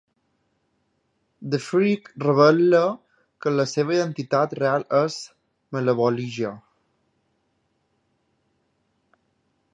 The Freak revela que la seva identitat real és Malebolgia.